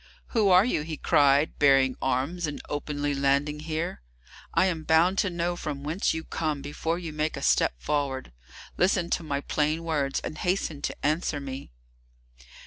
"Who are you," he cried, "bearing arms and openly landing here? I am bound to know from whence you come before you make a step forward. Listen to my plain words, and hasten to answer me."